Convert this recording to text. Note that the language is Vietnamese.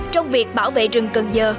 trong việc bảo vệ rừng cần giờ